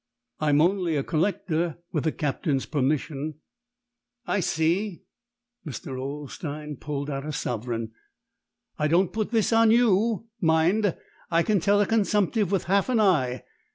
"I'm only a collector, with the captain's permission." "I see." Mr. Olstein pulled out a sovereign. "I don't put this on you, mind; I can tell a consumptive with half an eye.